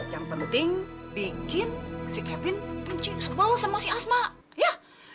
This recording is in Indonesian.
yang penting bikin si kevin kunci ball sama si asma ya